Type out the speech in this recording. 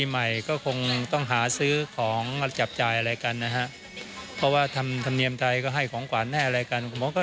ไม่ก็คงต้องหาซื้อของจับจ่ายอะไรกันนะครับเพราะว่าธรรมเนียมใจก็ให้ของขวัญอะไรกัน